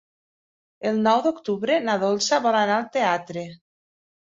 El nou d'octubre na Dolça vol anar al teatre.